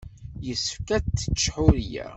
Yessefk ad tečč Ḥuriya.